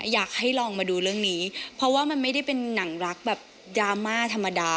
อยากให้ลองมาดูเรื่องนี้เพราะว่ามันไม่ได้เป็นหนังรักแบบดราม่าธรรมดา